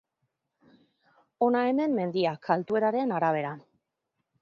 Hona hemen mendiak altueraren arabera.